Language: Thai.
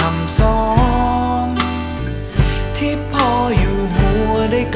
แม่ของพระภาษาไทย